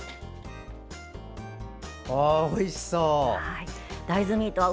おいしそう！